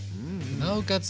なおかつ